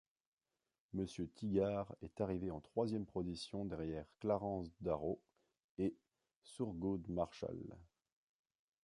Monsieur Tigar est arrivé en troisième position derrière Clarence Darrow et Thurgood Marshall.